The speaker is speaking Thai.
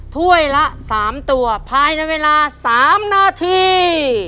ถ้วยละ๓ตัวภายในเวลา๓นาที